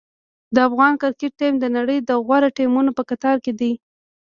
د افغان کرکټ ټیم د نړۍ د غوره ټیمونو په کتار کې دی.